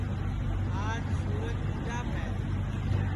آج سورج مُڈٚاپ ہے